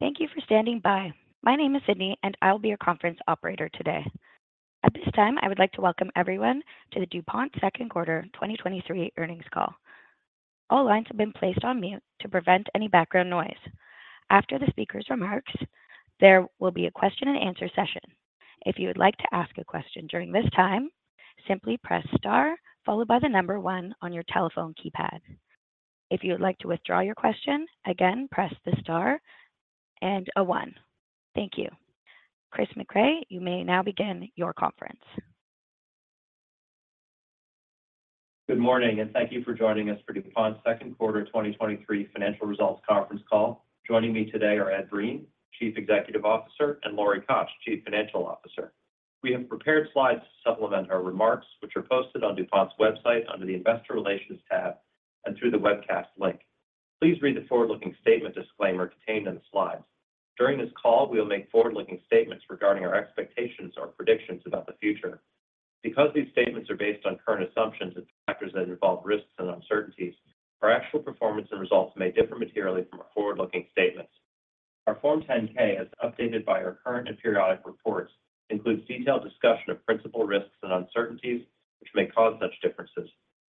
Thank you for standing by. My name is Sydney, and I'll be your conference operator today. At this time, I would like to welcome everyone to the DuPont second quarter 2023 earnings call. All lines have been placed on mute to prevent any background noise. After the speaker's remarks, there will be a question and answer session. If you would like to ask a question during this time, simply press star, followed by the number one on your telephone keypad. If you would like to withdraw your question, again, press the star and a one. Thank you. Chris Mecray, you may now begin your conference. Good morning, and thank you for joining us for DuPont's second quarter 2023 financial results conference call. Joining me today are Ed Breen, Chief Executive Officer, and Lori Koch, Chief Financial Officer. We have prepared slides to supplement our remarks, which are posted on DuPont's website under the Investor Relations tab and through the webcast link. Please read the forward-looking statement disclaimer contained in the slides. During this call, we will make forward-looking statements regarding our expectations or predictions about the future. Because these statements are based on current assumptions and factors that involve risks and uncertainties, our actual performance and results may differ materially from our forward-looking statements. Our Form 10-K, as updated by our current and periodic reports, includes detailed discussion of principal risks and uncertainties, which may cause such differences.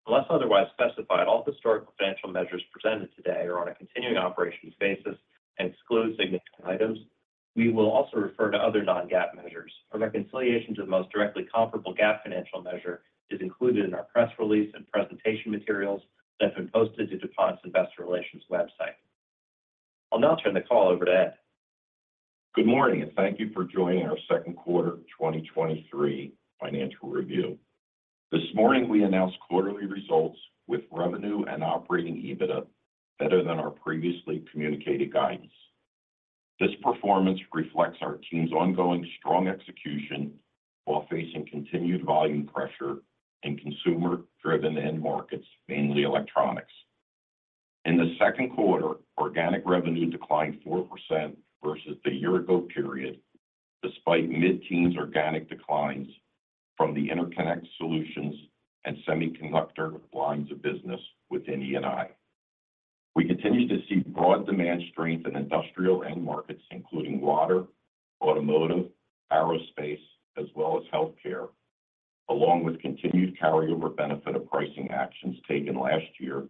Unless otherwise specified, all historical financial measures presented today are on a continuing operations basis and exclude significant items. We will also refer to other non-GAAP measures. A reconciliation to the most directly comparable GAAP financial measure is included in our press release and presentation materials that have been posted to DuPont's Investor Relations website. I'll now turn the call over to Ed. Good morning. Thank you for joining our second quarter 2023 financial review. This morning, we announced quarterly results with revenue and operating EBITDA better than our previously communicated guidance. This performance reflects our team's ongoing strong execution while facing continued volume pressure in consumer-driven end markets, mainly electronics. In the second quarter, organic revenue declined 4% versus the year ago period, despite mid-teens organic declines from the Interconnect Solutions and Semiconductor lines of business within E&I. We continue to see broad demand strength in industrial end markets, including water, automotive, aerospace, as well as healthcare, along with continued carryover benefit of pricing actions taken last year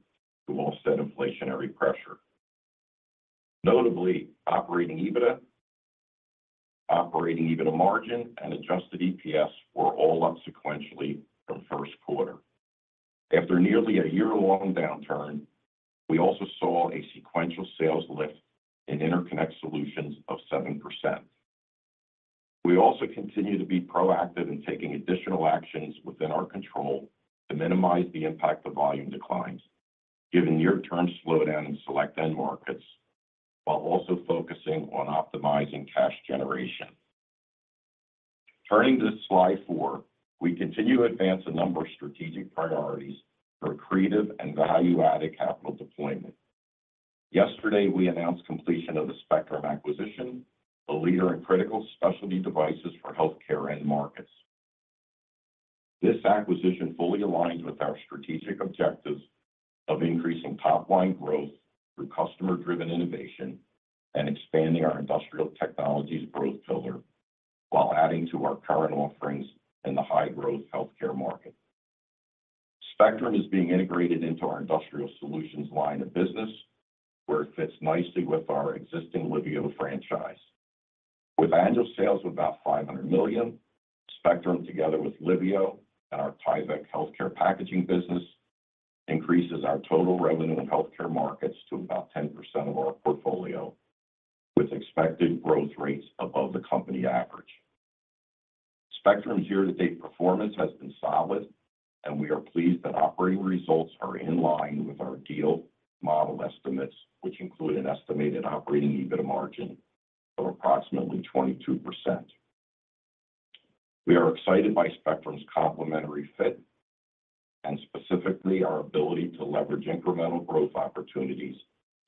to offset inflationary pressure. Notably, operating EBITDA, operating EBITDA margin, and Adjusted EPS were all up sequentially from first quarter. After nearly a year-long downturn, we also saw a sequential sales lift in Interconnect Solutions of 7%. We also continue to be proactive in taking additional actions within our control to minimize the impact of volume declines, given near-term slowdown in select end markets, while also focusing on optimizing cash generation. Turning to slide 4, we continue to advance a number of strategic priorities for accretive and value-added capital deployment. Yesterday, we announced completion of the Spectrum acquisition, a leader in critical specialty devices for healthcare end markets. This acquisition fully aligns with our strategic objectives of increasing top-line growth through customer-driven innovation and expanding our industrial technologies growth pillar, while adding to our current offerings in the high-growth healthcare market. Spectrum is being integrated into our Industrial Solutions line of business, where it fits nicely with our existing Liveo franchise. With annual sales of about $500 million, Spectrum, together with Liveo and our Tyvek Healthcare Packaging business, increases our total revenue in healthcare markets to about 10% of our portfolio, with expected growth rates above the company average. Spectrum's year-to-date performance has been solid, and we are pleased that operating results are in line with our deal model estimates, which include an estimated operating EBITDA margin of approximately 22%. We are excited by Spectrum's complementary fit and specifically our ability to leverage incremental growth opportunities,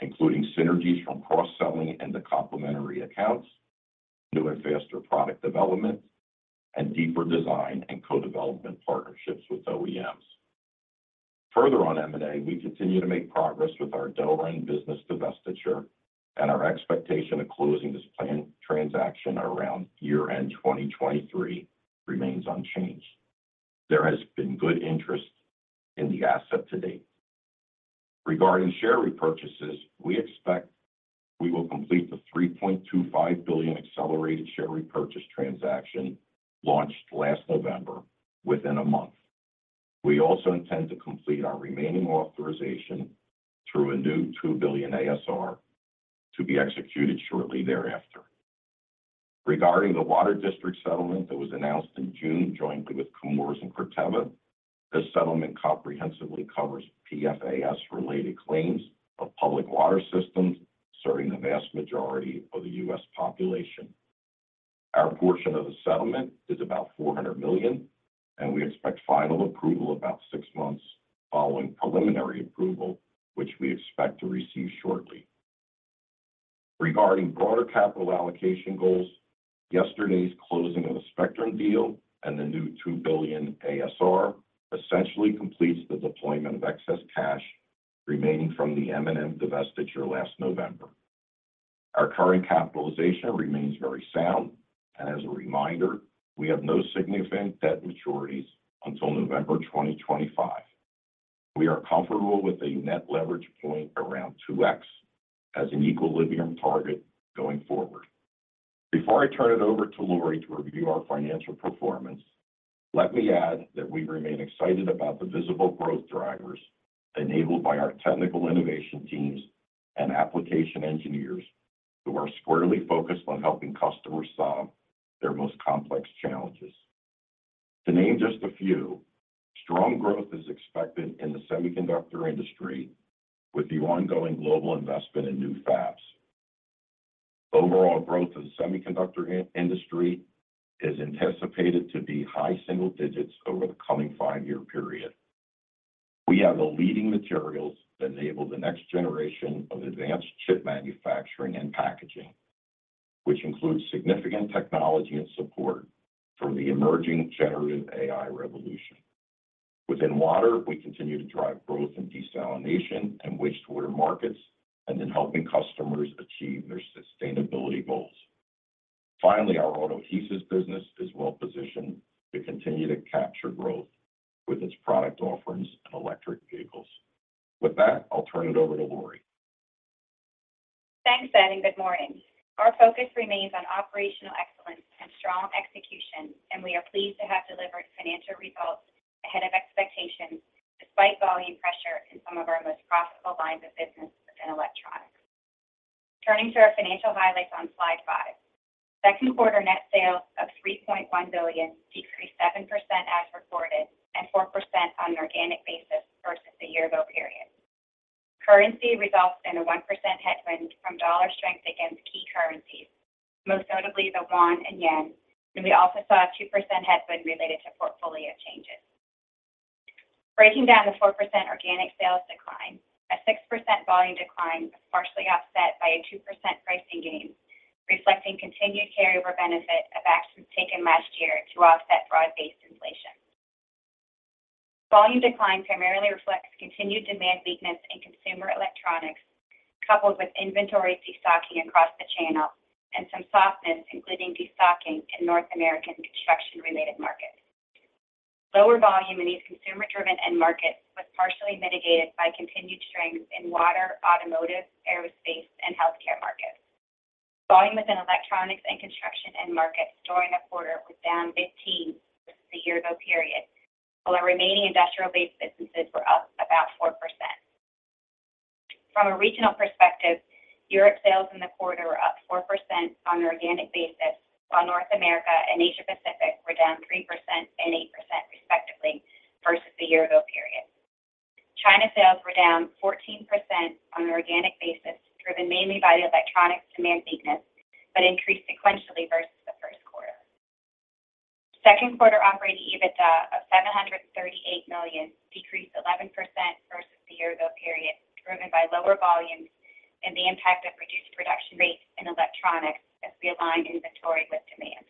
including synergies from cross-selling in the complementary accounts, newer, faster product development, and deeper design and co-development partnerships with OEMs. Further on M&A, we continue to make progress with our Delrin business divestiture, and our expectation of closing this plan transaction around year-end 2023 remains unchanged. There has been good interest in the asset to date. Regarding share repurchases, we expect we will complete the $3.25 billion accelerated share repurchase transaction launched last November within a month. We also intend to complete our remaining authorization through a new $2 billion ASR to be executed shortly thereafter. Regarding the Water District settlement that was announced in June, jointly with Chemours and Corteva, this settlement comprehensively covers PFAS-related claims of public water systems serving the vast majority of the U.S. population. Our portion of the settlement is about $400 million, and we expect final approval about six months following preliminary approval, which we expect to receive shortly. Regarding broader capital allocation goals. Yesterday's closing of the Spectrum deal and the new $2 billion ASR essentially completes the deployment of excess cash remaining from the M&M divestiture last November. Our current capitalization remains very sound, and as a reminder, we have no significant debt maturities until November 2025. We are comfortable with a net leverage point around 2x as an equilibrium target going forward. Before I turn it over to Lori to review our financial performance, let me add that we remain excited about the visible growth drivers enabled by our technical innovation teams and application engineers, who are squarely focused on helping customers solve their most complex challenges. To name just a few, strong growth is expected in the semiconductor industry with the ongoing global investment in new fabs. Overall growth of the semiconductor industry is anticipated to be high single digits over the coming 5-year period. We have the leading materials that enable the next generation of advanced chip manufacturing and packaging, which includes significant technology and support from the emerging generative AI revolution. Within water, we continue to drive growth in desalination and wastewater markets and in helping customers achieve their sustainability goals. Finally, our auto adhesives business is well positioned to continue to capture growth with its product offerings and electric vehicles. With that, I'll turn it over to Lori. Thanks, Ed. Good morning. Our focus remains on operational excellence and strong execution. We are pleased to have delivered financial results ahead of expectations, despite volume pressure in some of our most profitable lines of business within electronics. Turning to our financial highlights on slide 5. Second quarter net sales of $3.1 billion decreased 7% as reported, and 4% on an organic basis versus the year-ago period. Currency results in a 1% headwind from dollar strength against key currencies, most notably the won and yen, and we also saw a 2% headwind related to portfolio changes. Breaking down the 4% organic sales decline, a 6% volume decline was partially offset by a 2% pricing gain, reflecting continued carryover benefit of actions taken last year to offset broad-based inflation. Volume decline primarily reflects continued demand weakness in consumer electronics, coupled with inventory destocking across the channel and some softness, including destocking in North American construction-related markets. Lower volume in these consumer-driven end markets was partially mitigated by continued strength in water, automotive, aerospace, and healthcare markets. Volume within electronics and construction end markets during the quarter was down 15% the year ago period, while our remaining industrial-based businesses were up about 4%. From a regional perspective, Europe sales in the quarter were up 4% on an organic basis, while North America and Asia Pacific were down 3% and 8%, respectively, versus the year ago period. China sales were down 14% on an organic basis, driven mainly by the electronics demand weakness, but increased sequentially versus the first quarter. Second quarter operating EBITDA of $738 million decreased 11% versus the year ago period, driven by lower volumes and the impact of reduced production rates in electronics as we align inventory with demand.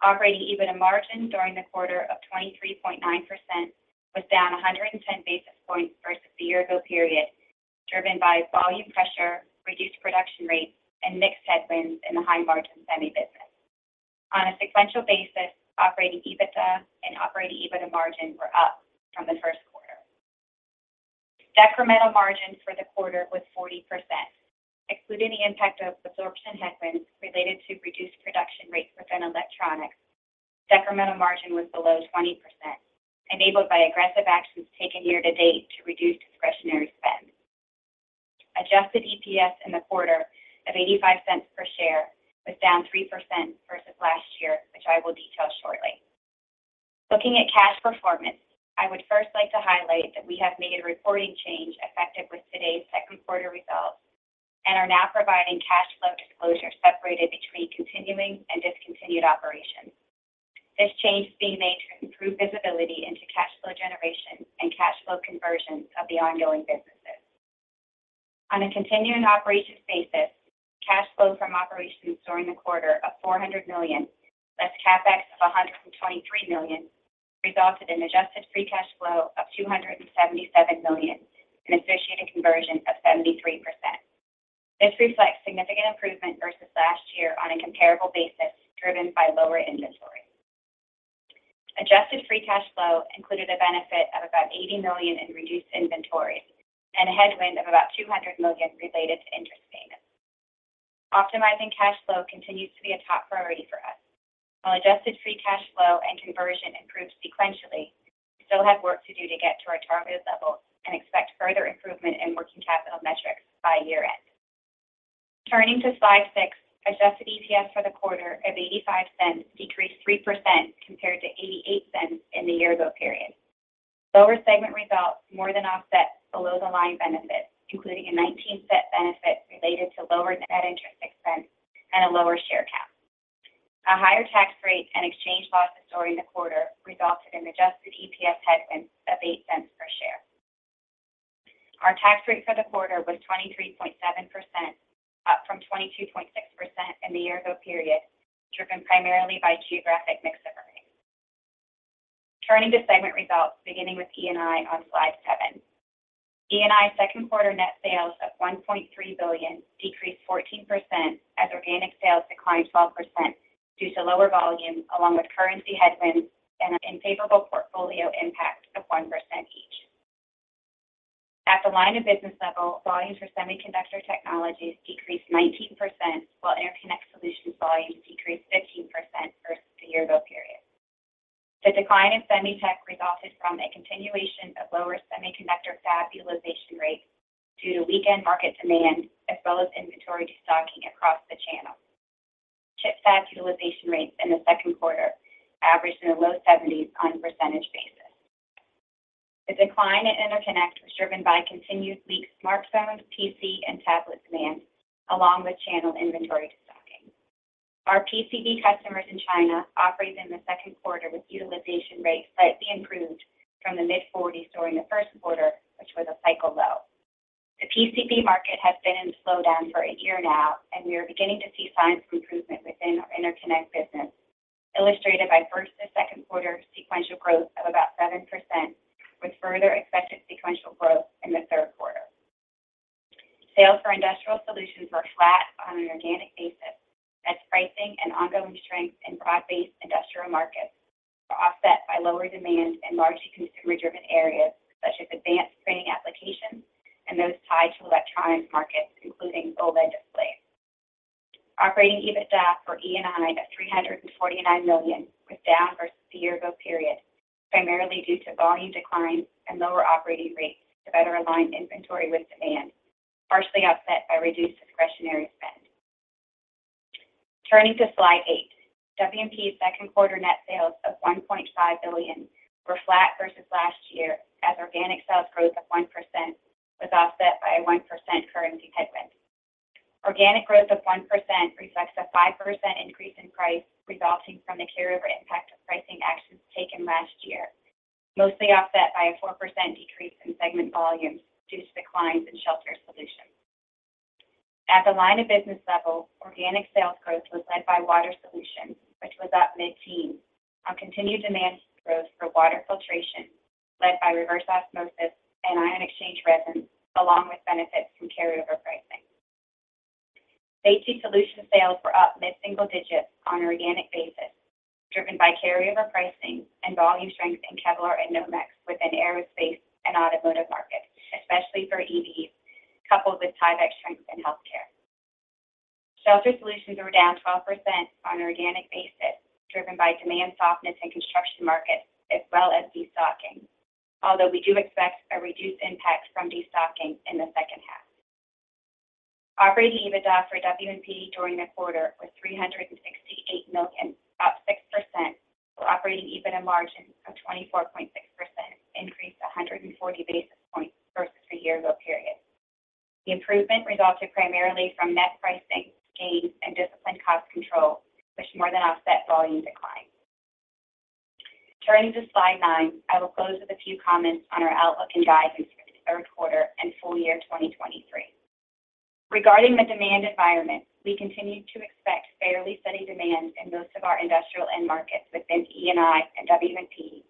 Operating EBITDA margin during the quarter of 23.9% was down 110 basis points versus the year ago period, driven by volume pressure, reduced production rates, and mixed headwinds in the high-margin semi business. On a sequential basis, operating EBITDA and operating EBITDA margin were up from the first quarter. Incremental margin for the quarter was 40%, excluding the impact of absorption headwinds related to reduced production rates within electronics. Incremental margin was below 20%, enabled by aggressive actions taken year-to-date to reduce discretionary spend. Adjusted EPS in the quarter of $0.85 per share was down 3% versus last year, which I will detail shortly. Looking at cash performance, I would first like to highlight that we have made a reporting change effective with today's second quarter results and are now providing cash flow disclosure separated between continuing and discontinued operations. This change is being made to improve visibility into cash flow generation and cash flow conversion of the ongoing businesses. On a continuing operations basis, cash flow from operations during the quarter of $400 million, less CapEx of $123 million, resulted in adjusted free cash flow of $277 million, an associated conversion of 73%. This reflects significant improvement versus last year on a comparable basis, driven by lower inventory. Adjusted free cash flow included a benefit of about $80 million in reduced inventory and a headwind of about $200 million related to interest payments. Optimizing cash flow continues to be a top priority for us. While adjusted free cash flow and conversion improved sequentially, we still have work to do to get to our targeted levels and expect further improvement in working capital metrics by year-end. Turning to slide 6, Adjusted EPS for the quarter of $0.85 decreased 3% compared to $0.88 in the year-ago period. Lower segment results more than offset below-the-line benefits, including a $0.19 benefit related to lower net interest expense and a lower share count. A higher tax rate and exchange losses during the quarter resulted in Adjusted EPS headwinds of $0.08 per share. Our tax rate for the quarter was 23.7%, up from 22.6% in the year ago period, driven primarily by geographic mix of earnings. Turning to segment results, beginning with E&I on slide 7. E&I second quarter net sales of $1.3 billion decreased 14%, as organic sales declined 12% due to lower volume, along with currency headwinds and an unfavorable portfolio impact of 1% each. At the line of business level, volumes for Semiconductor Technologies decreased 19%, while Interconnect Solutions volumes decreased 15% versus the year ago period. The decline in semi-tech resulted from a continuation of lower semiconductor fab utilization rates due to weakened market demand, as well as inventory destocking across the channel. Chip fab utilization rates in the second quarter averaged in the low 70s on a percentage basis. The decline in Interconnect was driven by continued weak smartphone, PCB, and tablet demand, along with channel inventory destocking. Our PCB customers in China operated in the second quarter with utilization rates slightly improved from the mid-40s during the 1st quarter, which was a cycle low. The PCB market has been in slowdown for a year now, and we are beginning to see signs of improvement within our Interconnect business, illustrated by first to second quarter sequential growth of about 7%, with further expected sequential growth in the third quarter. Sales for Industrial Solutions were flat on an organic basis, as pricing and ongoing strength in broad-based industrial markets were offset by lower demand in largely consumer-driven areas, such as advanced screening applications and those tied to electronics markets, including OLED displays. Operating EBITDA for E&I at $349 million, was down versus the year ago period, primarily due to volume declines and lower operating rates to better align inventory with demand, partially offset by reduced discretionary spend. Turning to slide 8, W&P's second quarter net sales of $1.5 billion were flat versus last year, as organic sales growth of 1% was offset by a 1% currency headwind. Organic growth of 1% reflects a 5% increase in price resulting from the carryover impact of pricing actions taken last year, mostly offset by a 4% decrease in segment volumes due to declines in Shelter Solutions. At the line of business level, organic sales growth was led by Water Solutions, which was up mid-teens on continued demand growth for water filtration, led by reverse osmosis and ion exchange resins, along with benefits from carryover pricing. Safety Solutions sales were up mid-single digits on an organic basis, driven by carryover pricing and volume strength in Kevlar and Nomex within aerospace and automotive markets, especially for EVs, coupled with Tyvek strength in healthcare. Shelter Solutions were down 12% on an organic basis, driven by demand softness in construction markets, as well as destocking, although we do expect a reduced impact from destocking in the second half. Operating EBITDA for W&P during the quarter was $368 million, up 6%, for operating EBITDA margin of 24.6%, increased 140 basis points versus the year-ago period. The improvement resulted primarily from net pricing gains and disciplined cost control, which more than offset volume decline. Turning to slide 9, I will close with a few comments on our outlook and guidance for the third quarter and full year 2023. Regarding the demand environment, we continue to expect fairly steady demand in most of our industrial end markets within E&I and W&P,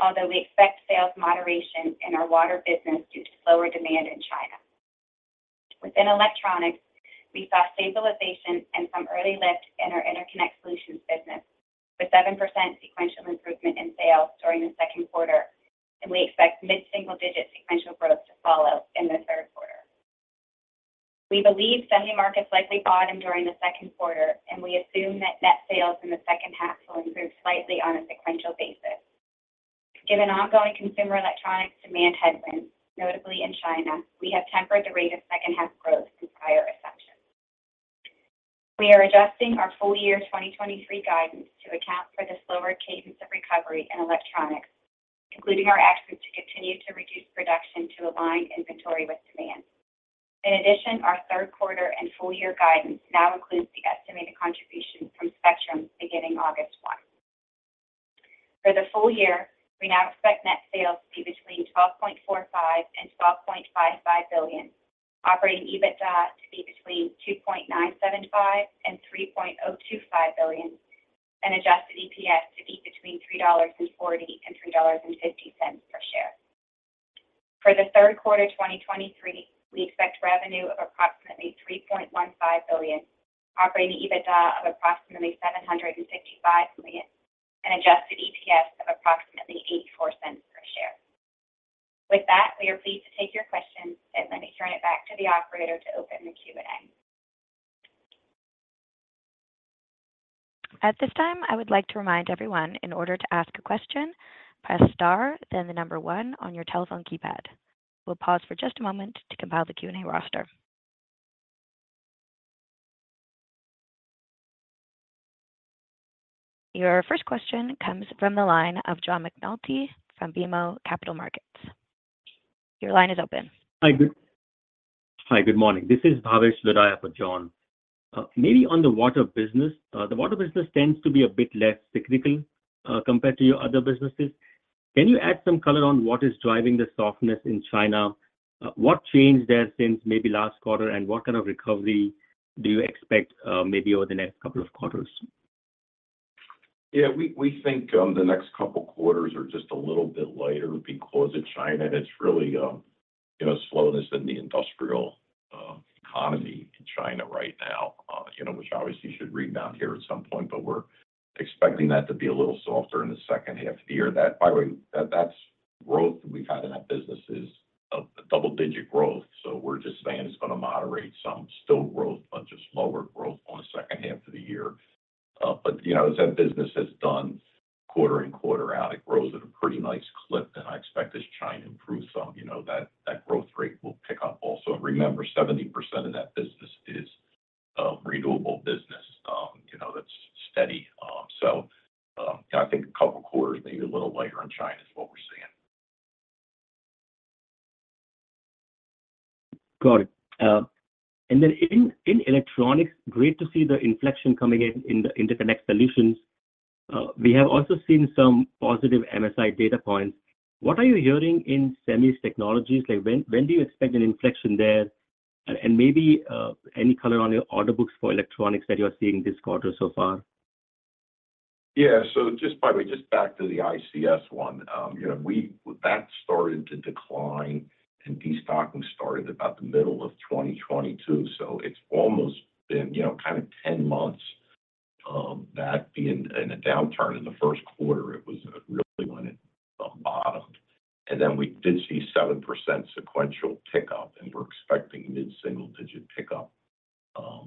although we expect sales moderation in our water business due to slower demand in China. Within electronics, we saw stabilization and some early lift in our Interconnect Solutions business, with 7% sequential improvement in sales during the second quarter, and we expect mid-single digit sequential growth to follow in the third quarter. We believe semi markets likely bottomed during the second quarter, and we assume that net sales in the second half will improve slightly on a sequential basis. Given ongoing consumer electronics demand headwinds, notably in China, we have tempered the rate of second half growth to prior assumptions. We are adjusting our full year 2023 guidance to account for the slower cadence of recovery in electronics, including our actions to continue to reduce production to align inventory with demand. In addition, our third quarter and full year guidance now includes the estimated contribution from Spectrum beginning August 1. For the full year, we now expect net sales to be between $12.45 billion and $12.55 billion, operating EBITDA to be between $2.975 billion and $3.025 billion, and Adjusted EPS to be between $3.40 and $3.50 per share. For the third quarter 2023, we expect revenue of approximately $3.15 billion, operating EBITDA of approximately $765 million, and Adjusted EPS of approximately $0.84 per share. With that, we are pleased to take your questions, and let me turn it back to the operator to open the Q&A. At this time, I would like to remind everyone, in order to ask a question, press star, then the number one on your telephone keypad. We'll pause for just a moment to compile the Q&A roster. Your first question comes from the line of John McNulty from BMO Capital Markets. Your line is open. Hi, good morning. This is Bhavesh Lodaya for John. Maybe on the water business. The water business tends to be a bit less cyclical, compared to your other businesses. Can you add some color on what is driving the softness in China? What changed there since maybe last quarter, and what kind of recovery do you expect, maybe over the next couple of quarters? Yeah, we, we think, the next two quarters are just a little bit lighter because of China, and it's really, you know, slowness in the industrial economy in China right now. You know, which obviously should rebound here at some point, we're expecting that to be a little softer in the second half of the year. That, by the way, that's growth that we've had in that business is a double-digit growth. We're just saying it's gonna moderate some, still growth, but just lower growth on the second half of the year. You know, as that business has done quarter in, quarter out, it grows at a pretty nice clip, and I expect as China improves some, you know, that growth rate will pick up also. Remember, 70% of that business is renewable business. You know, that's steady. So, I think a couple quarters, maybe a little lighter on China is what we're seeing. Got it. Then in, in Electronics, great to see the inflection coming in, in the Interconnect Solutions. We have also seen some positive MSI data points. What are you hearing in Semis Technologies? Like, when, when do you expect an inflection there? Maybe, any color on your order books for electronics that you are seeing this quarter so far? Yeah. Just by the way, just back to the ICS-1, you know, we that started to decline, and destocking started about the middle of 2022. It's almost been, you know, kind of 10 months that being in a downturn in the first quarter, it was really when it bottomed. Then we did see 7% sequential pickup, and we're expecting mid-single-digit pickup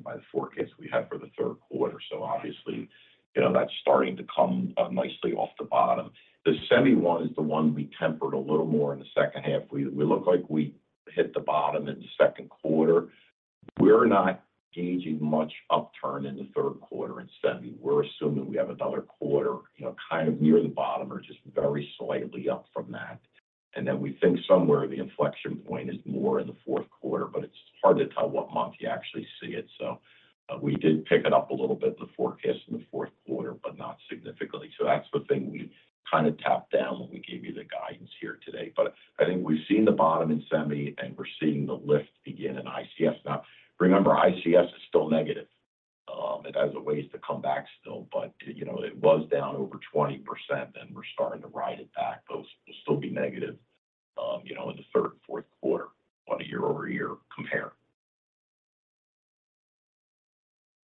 by the forecast we had for the third quarter. Obviously, you know, that's starting to come nicely off the bottom. The Semi one is the one we tempered a little more in the second half. We look like we hit the bottom in the second quarter. We're not gauging much upturn in the third quarter in semi. We're assuming we have another quarter, you know, kind of near the bottom or just very slightly up from that. We think somewhere the inflection point is more in the fourth quarter, but it's hard to tell what month you actually see it. We did pick it up a little bit in the forecast in the fourth quarter, but not significantly. That's the thing we kind of tapped down when we gave you the guidance here today. I think we've seen the bottom in semi, and we're seeing the lift begin in ICS. Now, remember, ICS is still negative. It has a ways to come back still, but, you know, it was down over 20%, and we're starting to ride it back. Those will still be negative, you know, in the third and fourth quarter on a year-over-year compare.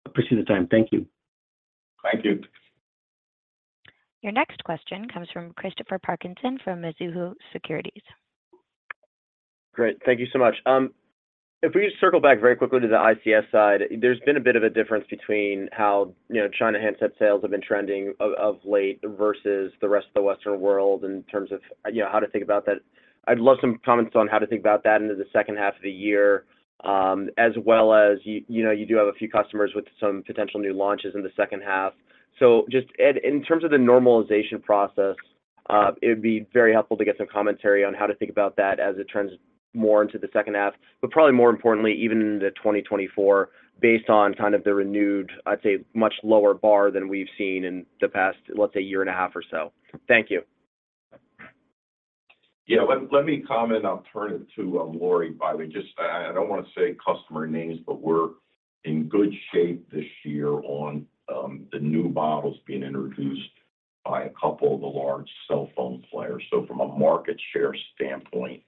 Appreciate the time. Thank you. Thank you. Your next question comes from Christopher Parkinson, from Mizuho Securities. Great. Thank you so much. If we just circle back very quickly to the ICS side, there's been a bit of a difference between how, you know, China handset sales have been trending of, of late versus the rest of the Western world in terms of, you know, how to think about that. I'd love some comments on how to think about that into the second half of the year. As well as, you know, you do have a few customers with some potential new launches in the second half. Just, Ed, in terms of the normalization process, it'd be very helpful to get some commentary on how to think about that as it turns more into the second half, but probably more importantly, even into 2024, based on kind of the renewed, I'd say, much lower bar than we've seen in the past, let's say, a year and a half or so? Thank you. Yeah. Let, let me comment, I'll turn it to Lori. By the way, just, I, I don't want to say customer names, but we're in good shape this year on the new models being introduced by a couple of the large cell phone players. From a market share standpoint,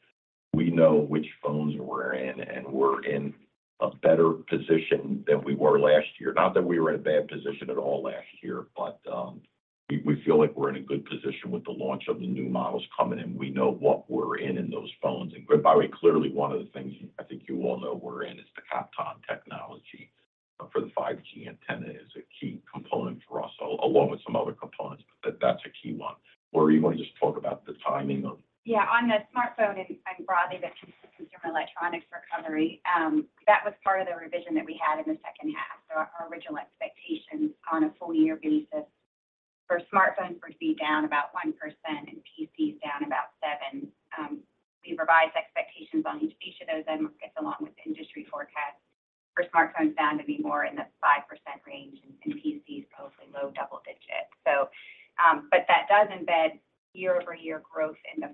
we know which phones we're in, and we're in a better position than we were last year. Not that we were in a bad position at all last year, but we, we feel like we're in a good position with the launch of the new models coming in. We know what we're in, in those phones. By the way, clearly, one of the things I think you all know we're in is the Kapton technology for the 5G antenna is a key component for us, along with some other components, but that's a key one. Lori, you want to just talk about the timing of. Yeah, on the smartphone and, and broadly, the Consumer Electronics Recovery, that was part of the revision that we had in the second half. Our original expectations on a full year basis for smartphones would be down about 1% and PCBs down about 7%. We revised expectations on each of those items, along with industry forecasts for smartphones down to be more in the 5% range and PCBs, probably low-double digit. But that does embed year-over-year growth in the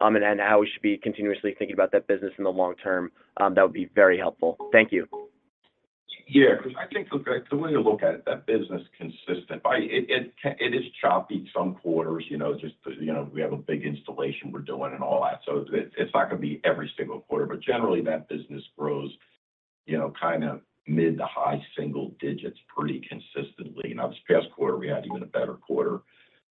and how we should be continuously thinking about that business in the long term, that would be very helpful. Thank you. Yeah, because I think, look, the way to look at it, that business is consistent by it, it is choppy some quarters, you know, just, you know, we have a big installation we're doing and all that. It's not going to be every single quarter, but generally, that business grows, you know, kind of mid- to high-single digits pretty consistently. Now, this past quarter, we had even a better quarter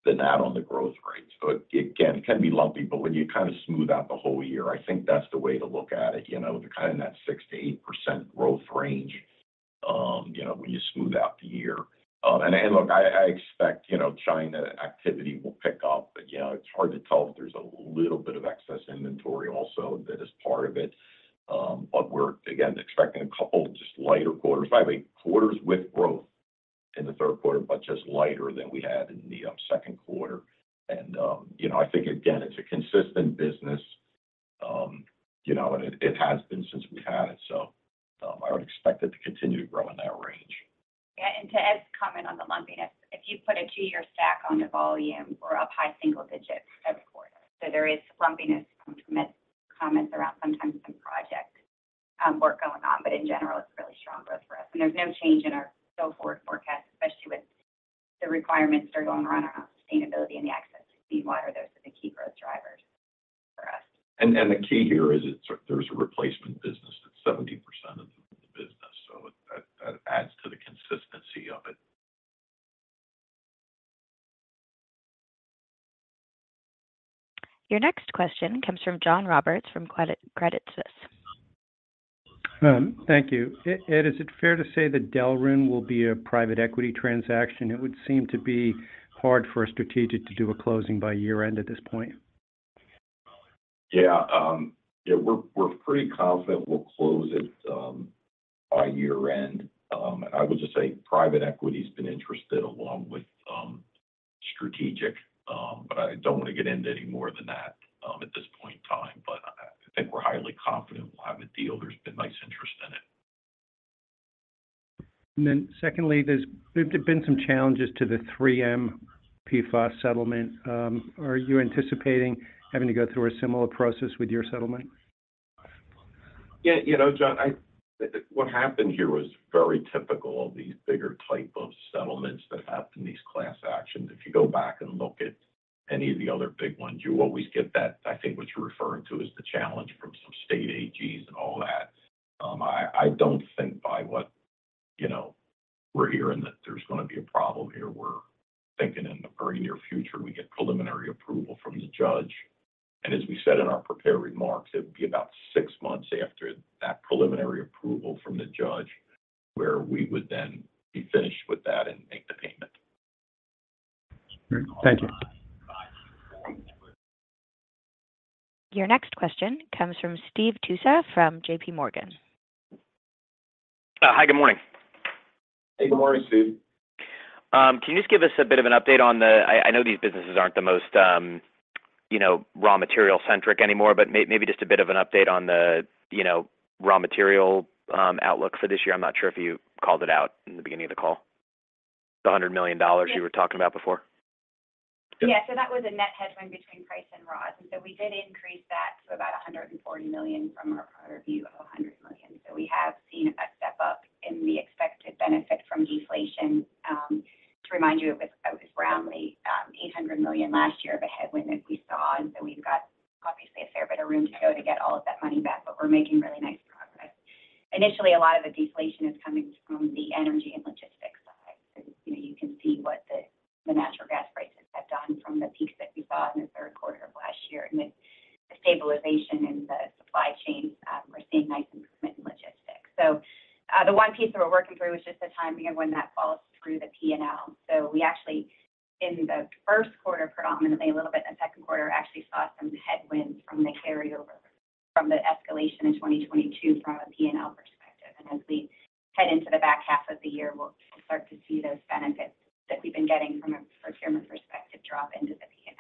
than that on the growth rates. Again, it can be lumpy, but when you kind of smooth out the whole year, I think that's the way to look at it, you know, they're kind of in that 6%-8% growth range, you know, when you smooth out the year. Look, I, I expect, you know, China activity will pick up, but, you know, it's hard to tell if there's a little bit of excess inventory also that is part of it. We're, again, expecting a couple just lighter quarters. By the way, quarters with growth in the third quarter, but just lighter than we had in the second quarter. You know, I think, again, it's a consistent business, you know, and it, it has been since we've had it, so I would expect it to continue to grow in that range. To Ed's comment on the lumpiness, if you put a two-year stack on the volume, we're up high-single digits every quarter. There is lumpiness from comments around sometimes some project work going on, but in general, it's really strong growth for us. There's no change in our go-forward forecast, especially with the requirements that are going around around sustainability and the access to seawater. Those are the key growth drivers for us. The key here is there's a replacement business that's 70% of the business, that adds to the consistency of it. Your next question comes from John Roberts from Credit Suisse. Thank you. Ed, is it fair to say that Delrin will be a private equity transaction? It would seem to be hard for a strategic to do a closing by year-end at this point. Yeah. Yeah, we're, we're pretty confident we'll close it by year-end. I would just say private equity's been interested along with strategic. I don't want to get into any more than that at this point in time. I, I think we're highly confident we'll have a deal. There's been nice interest in it. Secondly, there's, there have been some challenges to the 3M PFAS settlement. Are you anticipating having to go through a similar process with your settlement? Yeah, you know, John, what happened here was very typical of these bigger type of settlements that happen in these class actions. If you go back and look at any of the other big ones, you always get that. I think what you're referring to is the challenge from some state AGs and all that. I don't think by what, you know, we're hearing, that there's going to be a problem here. We're thinking in the very near future, we get preliminary approval from the judge. As we said in our prepared remarks, it would be about six months after that preliminary approval from the judge, where we would then be finished with that and make the payment. Thank you. Your next question comes from Steve Tusa, from JPMorgan. Hi, good morning. Hey, good morning, Steve. Can you just give us a bit of an update on the I, I know these businesses aren't the most, you know, raw material centric anymore, but may-maybe just a bit of an update on the, you know, raw material outlook for this year? I'm not sure if you called it out in the beginning of the call, the $100 million you were talking about before. Yeah. That was a net headwind between price and raws. So we did increase that to about $140 million from our prior view of $100 million. We have seen a step up, and we expect to benefit from deflation. To remind you, it was, it was around the $800 million last year of a headwind, as we saw. So we've got obviously a fair bit of room to go to get all of that money back, but we're making really nice progress. Initially, a lot of the deflation is coming from the energy and logistics side. You know, you can see what the, the natural gas prices have done from the peak that we saw in the third quarter of last year. The, the stabilization in the supply chain, we're seeing nice improvement in logistics. The one piece that we're working through is just the timing of when that falls through the P&L. We actually, in the first quarter, predominantly, a little bit in the second quarter, actually saw some headwinds from the carryover from the escalation in 2022 from a P&L perspective. As we head into the back half of the year, we'll start to see those benefits that we've been getting from a procurement perspective drop into the P&L.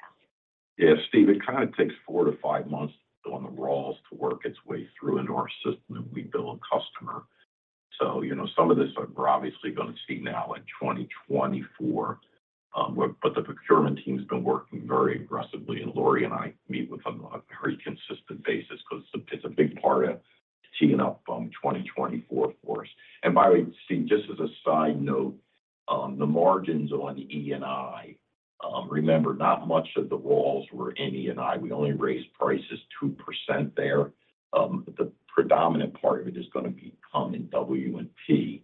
Yeah, Steve it kind of takes 4 months-5 months on the raws to work its way through into our system, and we bill a customer. You know, some of this we're obviously going to see now in 2024. But, but the procurement team's been working very aggressively, and Lori and I meet with them on a very consistent basis because it's a, it's a big part of teeing up 2024 for us. By the way, Steve, just as a side note, the margins on E&I, remember, not much of the raws were in E&I. We only raised prices 2% there. The predominant part of it is gonna be coming W&P.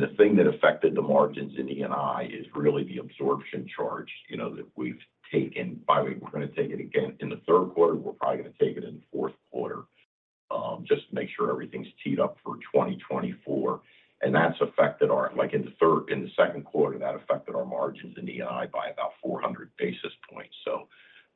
The thing that affected the margins in E&I is really the absorption charge, you know, that we've taken. By the way, we're gonna take it again in the third quarter, we're probably gonna take it in the fourth quarter, just to make sure everything's teed up for 2024. That's affected our like in the third, in the second quarter, that affected our margins in E&I by about 400 basis points.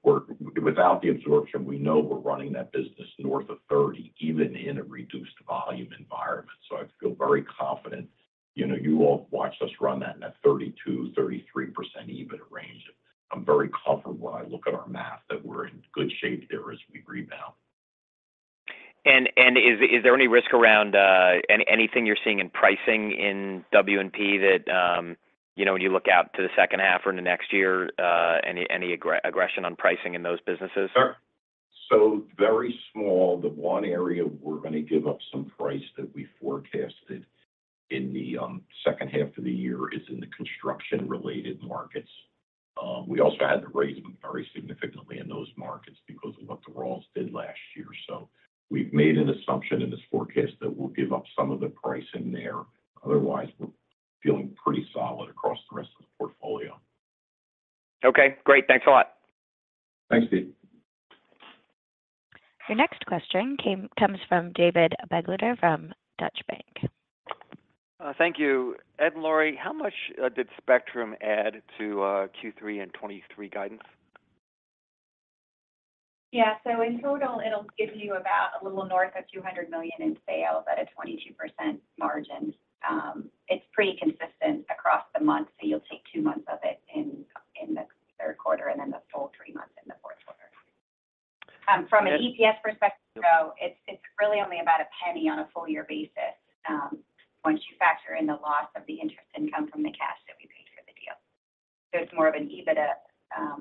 We're without the absorption, we know we're running that business north of 30, even in a reduced volume environment. I feel very confident. You know, you all watched us run that in a 32%-33% EBIT range. I'm very comfortable when I look at our math, that we're in good shape there as we rebound. Is there any risk around anything you're seeing in pricing in W&P that, you know, when you look out to the second half or into next year, any aggression on pricing in those businesses? Very small, the one area we're gonna give up some price that we forecasted in the second half of the year is in the construction-related markets. We also had to raise them very significantly in those markets because of what the raws did last year. We've made an assumption in this forecast that we'll give up some of the price in there. Otherwise, we're feeling pretty solid across the rest of the portfolio. Okay, great. Thanks a lot. Thanks, Steve. Your next question comes from David Begleiter from Deutsche Bank. Thank you. Ed and Lori, how much did Spectrum add to Q3 and 2023 guidance? Yeah. In total, it'll give you about a little north of $200 million in sales at a 22% margin. It's pretty consistent across the month, so you'll take two months of it in, in the third quarter and then the full three months in the fourth quarter. From an EPS perspective, though, it's, it's really only about $0.01 on a full year basis, once you factor in the loss of the interest income from the cash that we paid for the deal. It's more of an EBITDA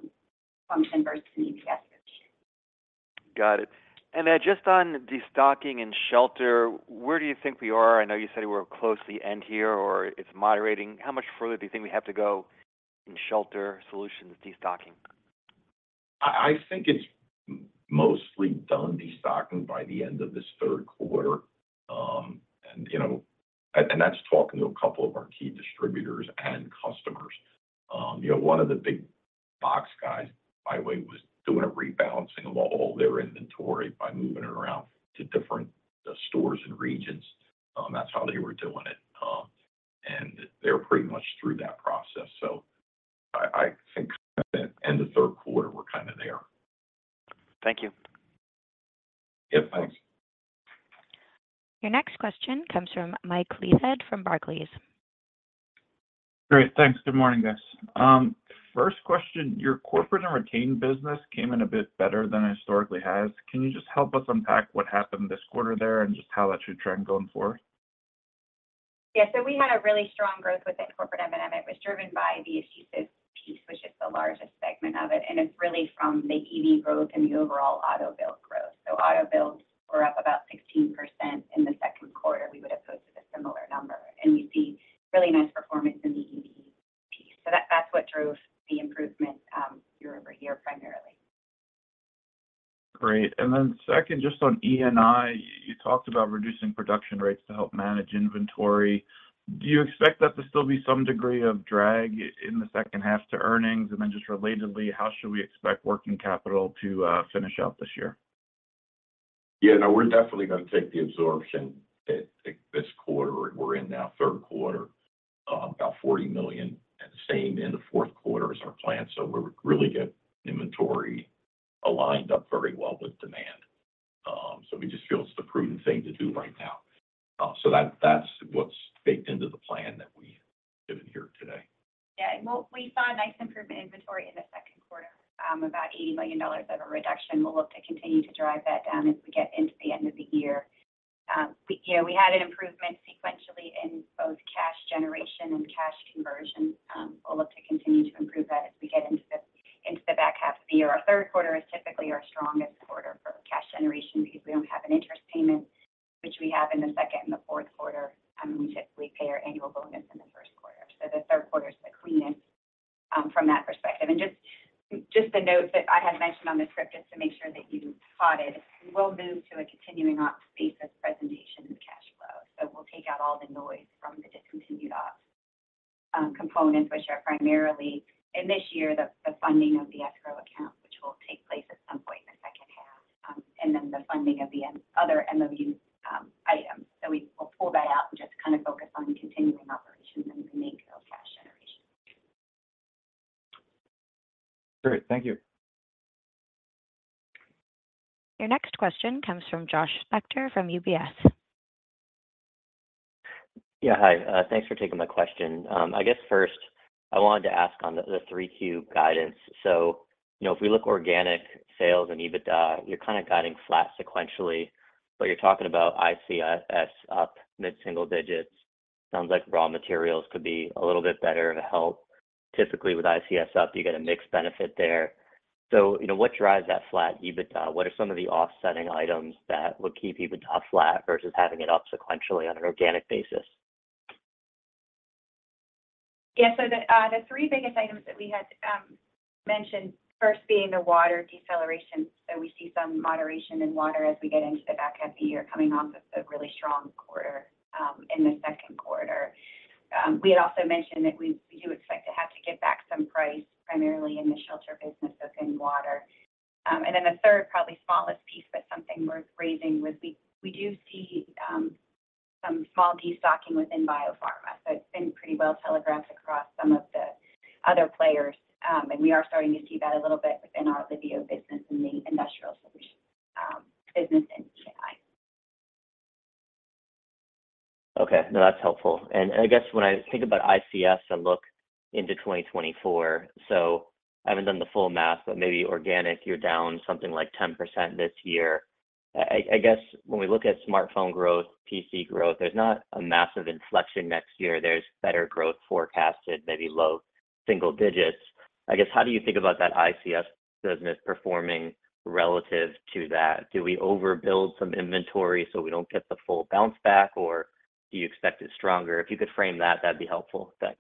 function versus an EPS issue. Got it. Just on the stocking and Shelter Solutions, where do you think we are? I know you said we're close to the end here, or it's moderating. How much further do you think we have to go in Shelter Solutions, destocking? I, I think it's mostly done destocking by the end of this third quarter. you know, and, and that's talking to a couple of our key distributors and customers. you know, one of the big box guys, by the way, was doing a rebalancing of all their inventory by moving it around to different stores and regions. That's how they were doing it. They're pretty much through that process. I, I think end the third quarter, we're kinda there. Thank you. Yeah, thanks. Your next question comes from Mike Leithead, from Barclays. Great. Thanks. Good morning, guys. First question, your corporate and retained business came in a bit better than it historically has. Can you just help us unpack what happened this quarter there and just how that should trend going forward? Yeah. We had a really strong growth within corporate M&A. It was driven by the adhesives piece, which is the largest segment of it, and it's really from the EV growth and the overall auto build growth. Auto builds were up about 16% in the second quarter. We would have posted a similar number, and you see really nice performance in the EV piece. That's what drove the improvement year-over-year, primarily. Great. Then second, just on E&I, you talked about reducing production rates to help manage inventory. Do you expect that to still be some degree of drag in the second half to earnings? Then just relatedly, how should we expect working capital to finish out this year? Yeah, no, we're definitely gonna take the absorption at, like, this quarter. We're in now, third quarter, about $40 million, and the same in the fourth quarter as our plan. We're really getting inventory aligned up very well with demand. We just feel it's the prudent thing to do right now. That's what's baked into the plan that we're giving here today. Yeah, well, we saw a nice improvement in inventory in the second quarter, about $80 million of a reduction. We'll look to continue to drive that down as we get into the end of the year. We, yeah, we had an improvement sequentially in both cash generation and cash conversion. We'll look to continue to improve that as we get into the, into the back half of the year. Our third quarter is typically our strongest quarter for cash generation because we don't have an interest payment, which we have in the second and the fourth quarter, and we typically pay our annual bonus in the first quarter. The third quarter is the cleanest from that perspective. Just a note that I had mentioned on the script, just to make sure that you caught it, we'll move to a continuing ops basis presentation in cash flow. We'll take out all the noise from the discontinued ops components, which are primarily, in this year, the funding of the escrow account, which will take place at some point in the second half, and then the funding of the other MOU items. We will pull that out and just kind of focus on continuing operations and the main cash generation. Great. Thank you. Your next question comes from Josh Spector from UBS. Yeah, hi. Thanks for taking my question. I guess first, I wanted to ask on the 3Q guidance. You know, if we look organic sales and EBITDA, you're kind of guiding flat sequentially, but you're talking about ICS up mid-single digits. Sounds like raw materials could be a little bit better to help. Typically, with ICS up, you get a mixed benefit there. You know, what drives that flat EBITDA? What are some of the offsetting items that would keep EBITDA flat versus having it up sequentially on an organic basis? The three biggest items that we had mentioned, first being the water deceleration. We see some moderation in water as we get into the back half of the year, coming off of a really strong quarter in the second quarter. We had also mentioned that we do expect to have to give back some price, primarily in the Shelter Solutions business within water. The third, probably smallest piece, but something worth raising, was we, we do see some small destocking within biopharma. It's been pretty well telegraphed across some of the other players, and we are starting to see that a little bit within our Liveo business and the Industrial Solutions business in E&I. Okay, no, that's helpful. I guess when I think about ICS and look into 2024, I haven't done the full math, but maybe organic, you're down something like 10% this year. I guess when we look at smartphone growth, PC growth, there's not a massive inflection next year. There's better growth forecasted, maybe low single digits. I guess, how do you think about that ICS business performing relative to that? Do we overbuild some inventory, so we don't get the full bounce back, or do you expect it stronger? If you could frame that, that'd be helpful. Thanks.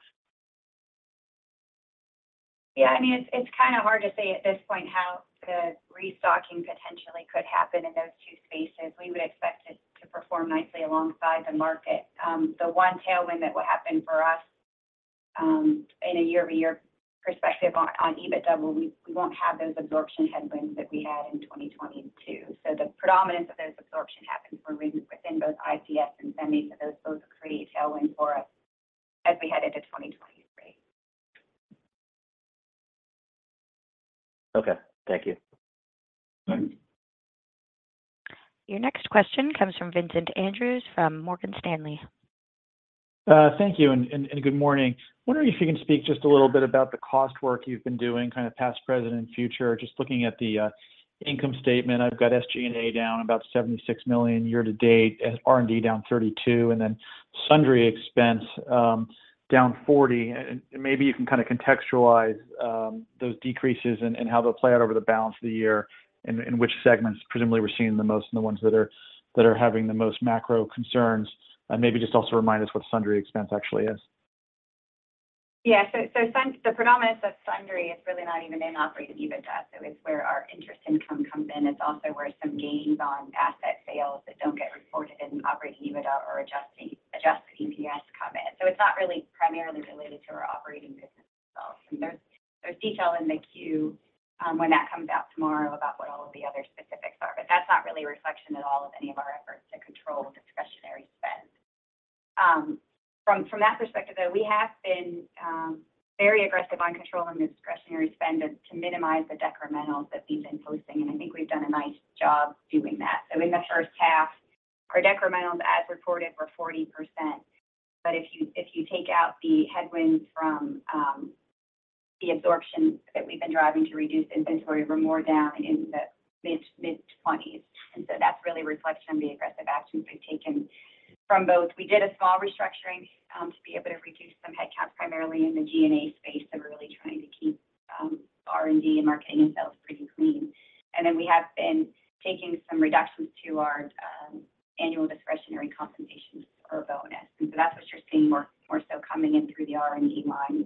Yeah, I mean, it's, it's kind of hard to say at this point how the restocking potentially could happen in those two spaces. We would expect it to perform nicely alongside the market. The one tailwind that will happen for us, in a year-over-year perspective on, on EBITDA, we, we won't have those absorption headwinds that we had in 2022. The predominance of those absorption happens for reasons within both ICS and Semi, so those, those create tailwind for us as we head into 2023. Okay. Thank you. Thanks. Your next question comes from Vincent Andrews from Morgan Stanley. Thank you, and good morning. I wonder if you can speak just a little bit about the cost work you've been doing, kind of past, present, and future. Just looking at the income statement, I've got SG&A down about $76 million year to date, as R&D down $32 million, and then sundry expense down $40 million. Maybe you can kind of contextualize those decreases and how they'll play out over the balance of the year, and which segments presumably we're seeing the most, and the ones that are having the most macro concerns. Maybe just also remind us what sundry expense actually is? Yeah. The predominance of sundry is really not even in operating EBITDA, so it's where our interest income comes in. It's also where some gains on asset sales that don't get reported in operating EBITDA or Adjusted EPS come in. It's not really primarily related to our operating business itself. There's, there's detail in the Q, when that comes out tomorrow, about what all of the other specifics are, but that's not really a reflection at all of any of our efforts to control discretionary spend. From, from that perspective, though, we have been, very aggressive on controlling the discretionary spend to, to minimize the decrementals that we've been posting, and I think we've done a nice job doing that. In the first half, our decrementals, as reported, were 40%, but if you, if you take out the headwinds from the absorption that we've been driving to reduce inventory, we're more down in the mid-20s. That's really a reflection of the aggressive actions we've taken from both. We did a small restructuring to be able to reduce some headcount, primarily in the G&A space, and we're really trying to keep R&D and marketing themselves pretty clean. We have been taking some reductions to our annual discretionary compensation or bonus. That's what you're seeing more, more so coming in through the R&D line.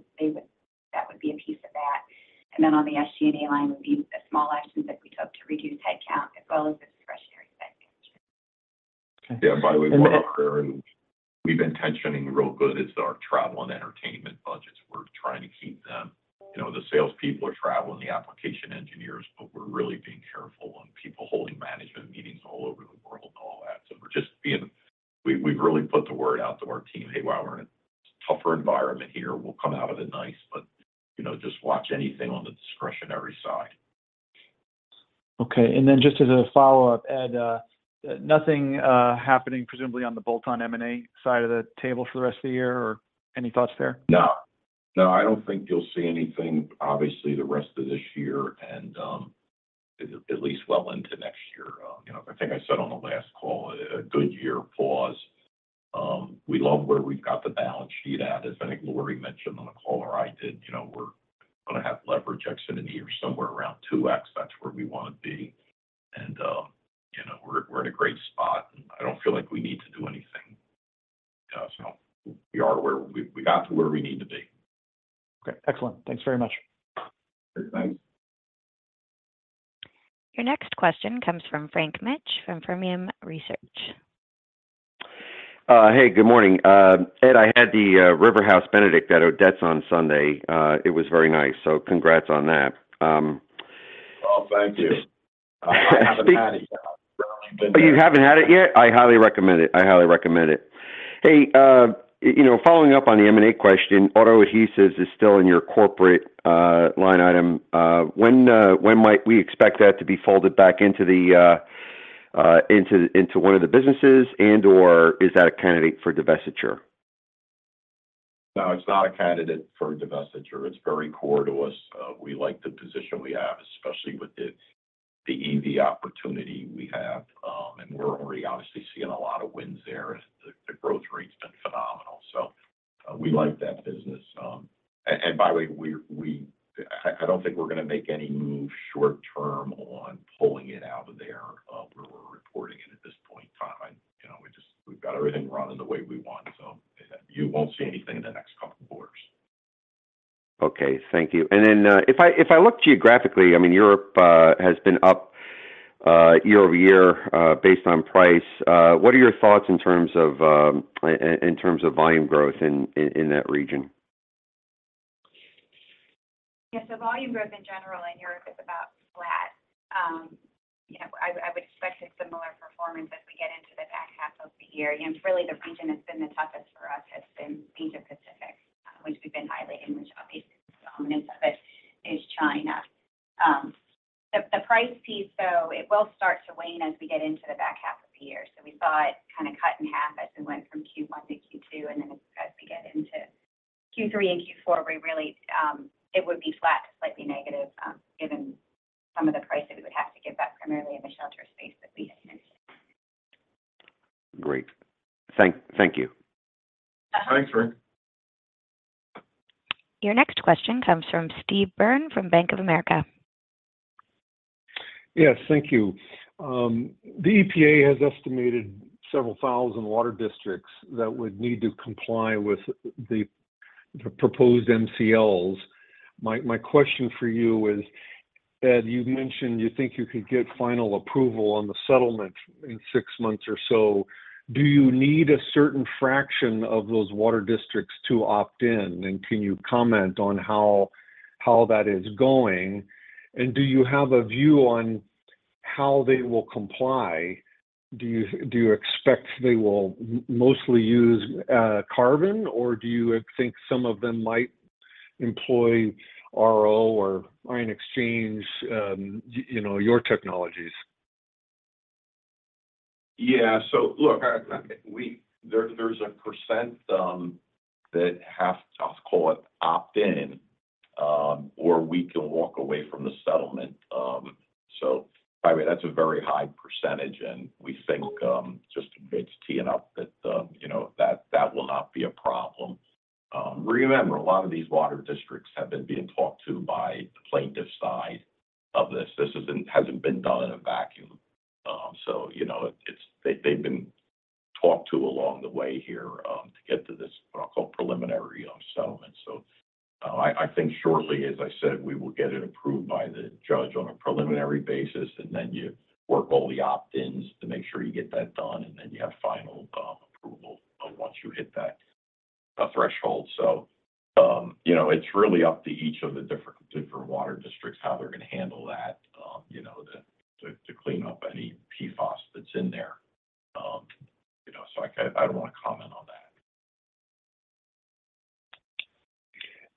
That would be a piece of that. On the SG&A line would be the small actions that we took to reduce headcount, as well as the discretionary spend, too. Yeah, by the way, we've been tensioning real good is our travel and entertainment budgets. We're trying to keep them. You know, the salespeople are traveling, the application engineers, but we're really being careful on people holding management meetings all over the world and all that. We've really put the word out to our team, "Hey, while we're in a tougher environment here, we'll come out of it nice, but, you know, just watch anything on the discretionary side. Okay. Then just as a follow-up, Ed, nothing happening presumably on the bolt-on M&A side of the table for the rest of the year, or any thoughts there? No. No, I don't think you'll see anything, obviously, the rest of this year and, at least well into next year. You know, I think I said on the last call, a good year pause. We love where we've got the balance sheet at. As I think Lori mentioned on the call, or I did, you know, we're gonna have leverage x in a year, somewhere around 2x. That's where we want to be. You know, we're, we're in a great spot, and I don't feel like we need to do anything. We are where, we got to where we need to be. Okay, excellent. Thanks very much. Thanks. Your next question comes from Frank Mitsch from Fermium Research. Hey, good morning. Ed, I had the River House Benedict at Odette's on Sunday. It was very nice, so congrats on that. Oh, thank you. I haven't had it yet. Oh, you haven't had it yet? I highly recommend it. I highly recommend it. Hey, you know, following up on the M&A question, Automotive Adhesives is still in your corporate line item. When, when might we expect that to be folded back into the, into, into one of the businesses? and/or is that a candidate for divestiture? No, it's not a candidate for divestiture. It's very core to us. We like the position we have, especially with the, the EV opportunity we have. We're already obviously seeing a lot of wins there. The, the growth rate's been phenomenal, so we like that business. By the way, we, I, I don't think we're going to make any moves short term on pulling it out of there, where we're reporting it at this point in time. You know, we just, we've got everything running the way we want, so you won't see anything in the next couple of quarters. Okay. Thank you. If I, if I look geographically, I mean, Europe, has been up, year-over-year, based on price. What are your thoughts in terms of, in, in terms of volume growth in, in, in that region? Yeah. Volume growth in general in Europe is about flat. you know, I, I would expect a similar performance as we get into the back half of the year. Really, the region that's been the toughest for us has been Asia Pacific, which we've been highlighting, which obviously the dominance of it is China. The, the price piece, it will start to wane as we get into the back half of the year. We saw it kind of cut in half as we went from Q1-Q2, as we get into Q3 and Q4, we really, it would be flat to slightly negative, given some of the price that we would have to give back, primarily in the shelter space that we mentioned. Great. Thank you. Thanks, Rick. Your next question comes from Steve Byrne from Bank of America. Yes, thank you. The EPA has estimated several thousand water districts that would need to comply with the proposed MCLs. My question for you is, Ed, you mentioned you think you could get final approval on the settlement in six months or so. Do you need a certain fraction of those water districts to opt in, and can you comment on how that is going? Do you have a view on how they will comply? Do you expect they will mostly use carbon, or do you think some of them might employ RO or ion exchange, you know, your technologies? Yeah. Look, there's a percent, that have, let's call it, opt in, or we can walk away from the settlement. Probably that's a very high percentage, and we think, just to teeing up that, you know, that, that will not be a problem. Remember, a lot of these water districts have been being talked to by the plaintiff side of this. This isn't, hasn't been done in a vacuum. You know, it's they've been talked to along the way here, to get to this, what I'll call, preliminary, settlement. I, I think shortly, as I said, we will get it approved by the judge on a preliminary basis, and then you work all the opt-ins to make sure you get that done, and then you have final approval once you hit that threshold. you know, it's really up to each of the different, different water districts, how they're gonna handle that,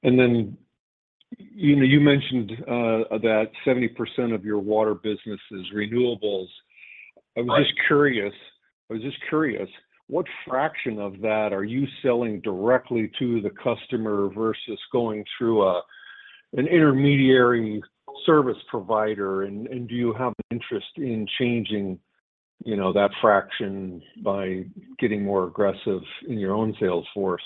you know, to, to, to clean up any PFAS that's in there. you know, I, I don't want to comment on that. Then, you know, you mentioned that 70% of your water business is renewables. Right. I was just curious, I was just curious, what fraction of that are you selling directly to the customer versus going through an intermediary service provider? Do you have an interest in changing, you know, that fraction by getting more aggressive in your own sales force?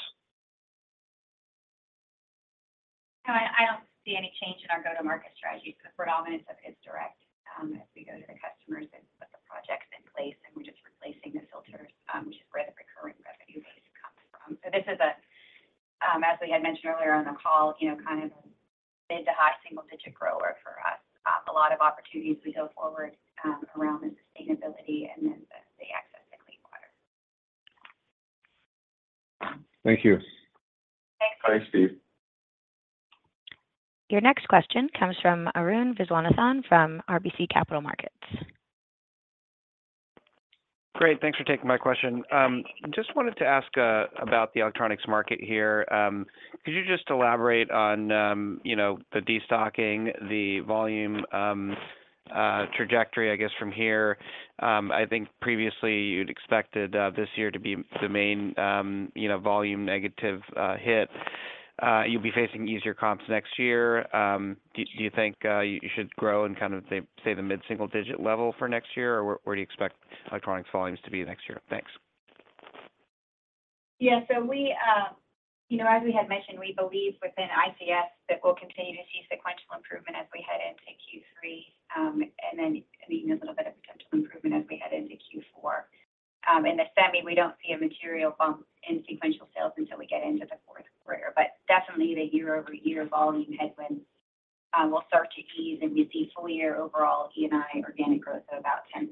I, I don't see any change in our go-to-market strategy. The predominance of it is direct. As we go to the customers and put the projects in place, and we're just replacing the filters, which is where the recurring revenue base comes from. This is a, as we had mentioned earlier on the call, you know, kind of a mid to high single-digit grower for us. A lot of opportunities we go forward, around the sustainability and then the, the access to clean water. Thank you. Thanks. Thanks, Steve. Your next question comes from Arun Viswanathan from RBC Capital Markets. Great, thanks for taking my question. Just wanted to ask about the electronics market here. Could you just elaborate on, you know, the destocking, the volume, trajectory, I guess, from here? I think previously you'd expected this year to be the main, you know, volume negative, hit. You'll be facing easier comps next year. Do, do you think, you should grow in kind of the, say, the mid-single digit level for next year, or where, where do you expect electronics volumes to be next year? Thanks. Yeah. We, you know, as we had mentioned, we believe within ICS that we'll continue to see sequential improvement as we head into Q3, then even a little bit of potential improvement as we head into Q4. In the semi, we don't see a material bump in sequential sales until we get into the fourth quarter, definitely the year-over-year volume headwinds will start to ease, we see full year overall E&I organic growth of about 10%.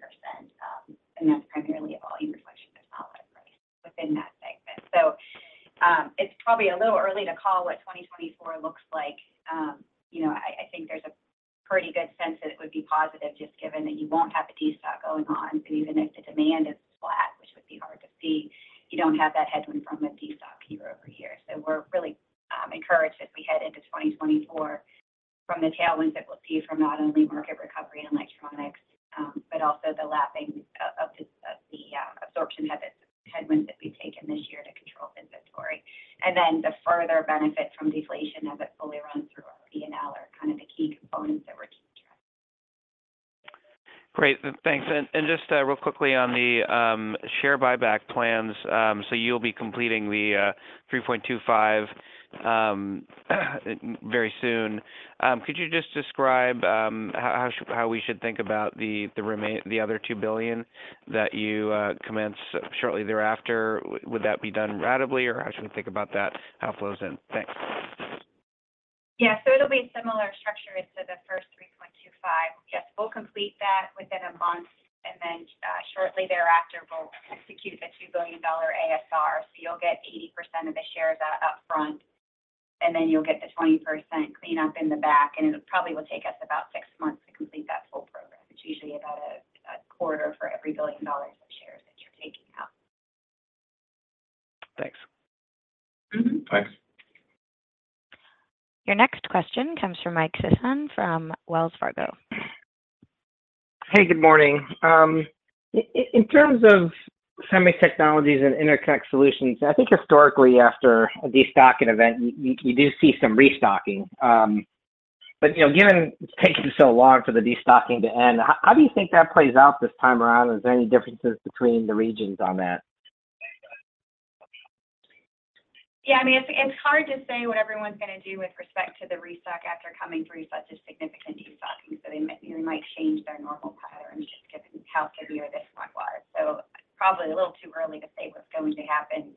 That's primarily a volume reflection, not price within that segment. It's probably a little early to call what 2024 looks like. You know, I, I think there's a pretty good sense that it would be positive, just given that you won't have a destock going on. Even if the demand is flat, which would be hard to see, you don't have that headwind from the destock year-over-year. We're really encouraged as we head into 2024 from the tailwinds that we'll see from not only market recovery in electronics, but also the lapping of the absorption habits, headwinds that we've taken this year to control inventory. Then the further benefit from deflation as it fully runs through our P&L are kind of the key components that we're keeping track. Great, thanks. Just real quickly on the share buyback plans, so you'll be completing the $3.25 very soon. Could you just describe how we should think about the remain, the other $2 billion that you commence shortly thereafter? Would that be done ratably, or how should we think about that outflows then? Thanks. Yeah, it'll be a similar structure to the first $3.25 billion. Yes, we'll complete that within a month, shortly thereafter, we'll execute the $2 billion ASR. You'll get 80% of the shares up front, you'll get the 20% clean up in the back, it probably will take us about six months to complete that whole program. It's usually about a quarter for every $1 billion of shares that you're taking out. Thanks. Thanks. Your next question comes from Michael Sison from Wells Fargo. Hey, good morning. In terms of Semi Technologies and Interconnect Solutions, I think historically, after a destocking event, you do see some restocking. You know, given it's taking so long for the destocking to end, how do you think that plays out this time around? Is there any differences between the regions on that? Yeah, I mean, it's, it's hard to say what everyone's gonna do with respect to the restock after coming through such a significant destocking. They might change their normal patterns, just given how severe this one was. Probably a little too early to say what's going to happen,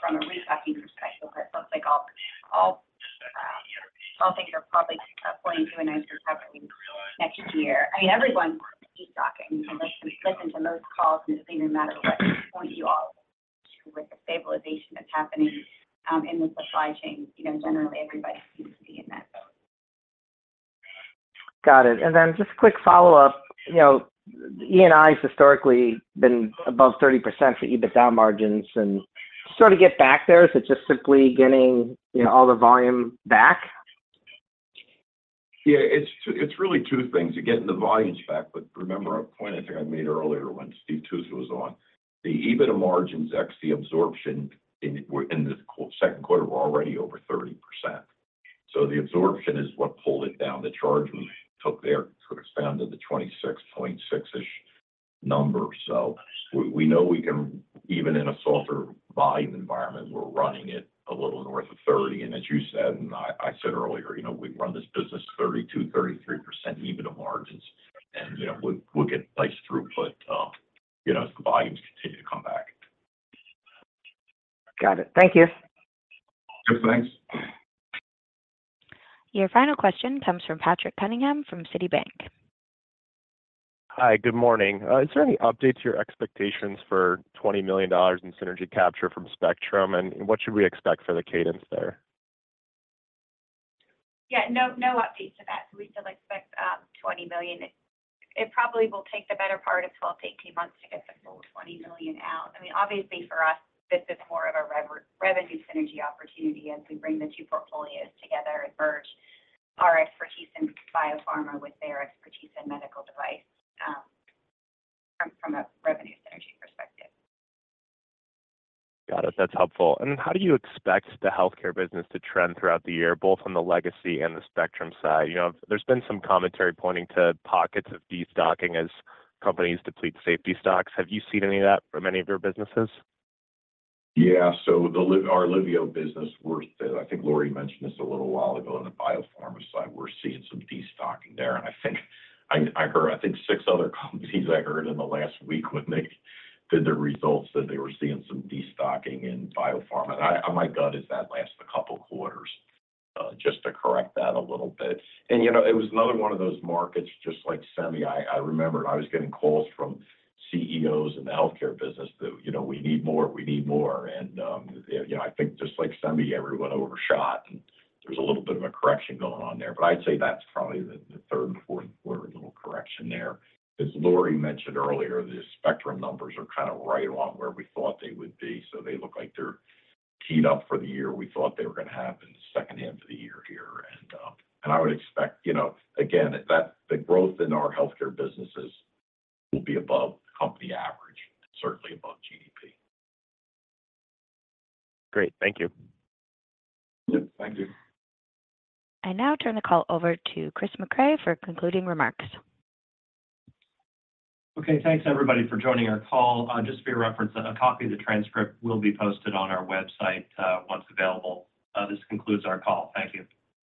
from a restocking perspective, but it looks like all, all, all things are probably pointing to a nice recovery next year. I mean, everyone's destocking, unless you listen to most calls, it doesn't matter what point you are to, with the stabilization that's happening, in the supply chain, you know, generally, everybody seems to be in that. Got it, then just a quick follow-up. You know, E&I has historically been above 30% for EBITDA margins, and sort of get back there, is it just simply getting, you know, all the volume back? Yeah, it's, it's really two things. You're getting the volumes back, remember a point I think I made earlier when Steve Tusa was on, the EBITDA margins X the absorption in, were in this second quarter, were already over 30%. The absorption is what pulled it down. The charge we took there to expand to the 26.6-ish number. We know we can, even in a softer volume environment, we're running it a little north of 30. As you said, and I, I said earlier, you know, we run this business 32%-33% EBITDA margins, and, you know, we'll, we'll get nice throughput, you know, as the volumes continue to come back. Got it. Thank you. Yep. Thanks. Your final question comes from Patrick Cunningham, from Citigroup. Hi, good morning. Is there any update to your expectations for $20 million in synergy capture from Spectrum, and what should we expect for the cadence there? Yeah, no, no updates to that. We still expect $20 million. It probably will take the better part of 12 months-18 months to get the full $20 million out. I mean, obviously for us, this is more of a revenue synergy opportunity as we bring the two portfolios together and merge our expertise in biopharma with their expertise in medical device, from, from a revenue synergy perspective. Got it. That's helpful. How do you expect the healthcare business to trend throughout the year, both on the legacy and the Spectrum side? You know, there's been some commentary pointing to pockets of destocking as companies deplete safety stocks. Have you seen any of that from any of your businesses? Yeah. Our Liveo business, we're, I think Lori mentioned this a little while ago, in the biopharma side, we're seeing some destocking there, and I think I, I heard, I think, six other companies I heard in the last week when they did their results, that they were seeing some destocking in biopharma. I, my gut is that lasts a couple quarters, just to correct that a little bit. You know, it was another one of those markets, just like semi. I, I remember I was getting calls from CEOs in the healthcare business that, you know, "We need more, we need more." You know, I think just like semi, everyone overshot, and there's a little bit of a correction going on there, but I'd say that's probably the, the third and fourth quarter little correction there. As Lori mentioned earlier, the Spectrum numbers are kind of right along where we thought they would be, so they look like they're teed up for the year. We thought they were going to happen the second half of the year here, and I would expect, you know, again, that the growth in our healthcare businesses will be above company average, certainly above GDP. Great. Thank you. Yep. Thank you. I now turn the call over to Chris Mecray for concluding remarks. Okay, thanks, everybody, for joining our call. Just for your reference, a copy of the transcript will be posted on our website, once available. This concludes our call. Thank you.